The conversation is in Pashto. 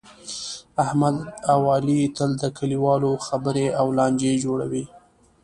احمد اوعلي تل د کلیوالو خبرې او لانجې جوړوي.